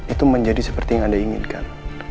itu menjadi seperti yang anda inginkan